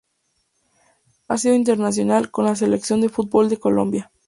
Ha sido internacional con la selección de fútbol de Colombia.